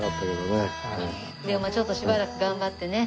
でもちょっとしばらく頑張ってね。